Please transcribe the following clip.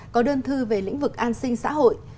có đơn thư về lĩnh vực an sinh xã hội